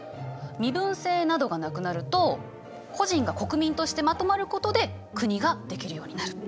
身分制などがなくなると個人が国民としてまとまることで国ができるようになる。